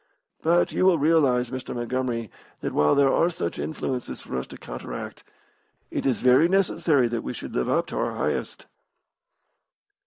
But you will realise, Mr. Montgomery, that while there are such influences for us to counteract, it is very necessary that we should live up to our highest."